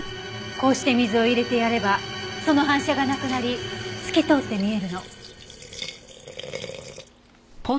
こうして水を入れてやればその反射がなくなり透き通って見えるの。